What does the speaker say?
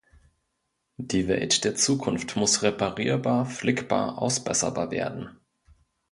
Die Welt der Zukunft muss reparierbar, flickbar, ausbesserbar werden.